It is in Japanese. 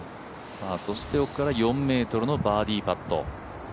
奥から４ｍのバーディーパット。